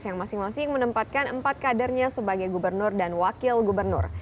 yang masing masing menempatkan empat kadernya sebagai gubernur dan wakil gubernur